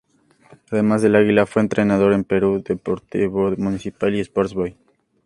Además del Águila fue entrenador en Perú del Deportivo Municipal y Sport Boys.